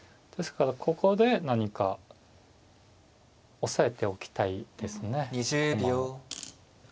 ですからここで何か押さえておきたいですね駒を。